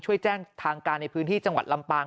ช่วยแจ้งทางการในพื้นที่จังหวัดลำปาง